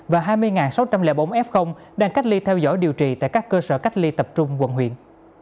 và hai mươi sáu trăm linh bốn f đang cách ly theo dõi điều trị tại các cơ sở cách ly tập trung quận huyện